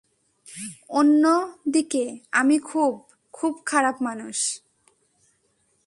অন্যদিকে, আমি খুব, খুব খারাপ মানুষ।